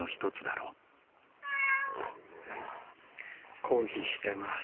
はい抗議してます。